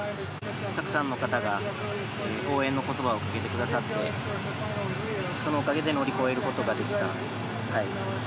たくさんの方が応援の言葉をかけてくださってそのおかげで乗り越えることができたので。